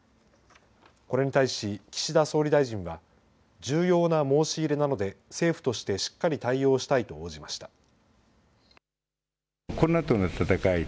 これに対し、岸田総理大臣は、重要な申し入れなので、政府としてしっかり対応したいと応じました。